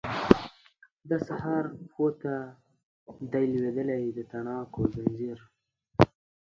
د سهار پښو ته دی لویدلی د تڼاکو ځنځیر